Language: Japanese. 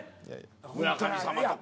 村神様とか。